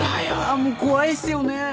もう怖いっすよね。